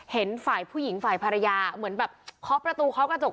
เห็นฝ่ายผู้หญิงฝ่ายภรรยาเหมือนแบบเคาะประตูเคาะกระจก